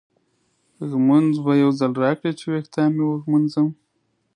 ږومنځ به یو ځل راکړې چې ویښتان مې وږمنځم.